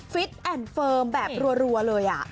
ฟิตแอนด์เฟิร์มแบบรัวเลย